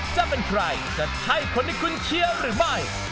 จะเป็นใครจะใช่คนที่คุณเชียร์หรือไม่